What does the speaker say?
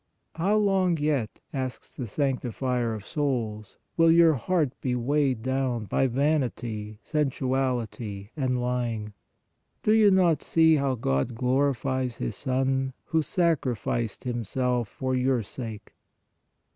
" How long, yet," asks the 192 PRAYER Sanctifier of souls, " will your heart be weighed down by vanity, sensuality and lying? Do you not see how God glorified His Son, who sacrificed Him self for your sake?